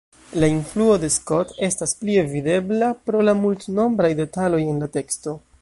La influo de Scott estas plie videbla pro la multnombraj detaloj en la teksto.